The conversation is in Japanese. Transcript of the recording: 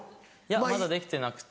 まだできてなくて。